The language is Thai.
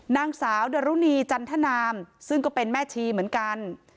นางสาวดรุณีจันทนามซึ่งก็เป็นแม่ชีเหมือนกัน